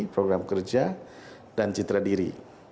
program kerja dan citra diri